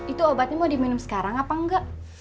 itu obatnya mau diminum sekarang apa enggak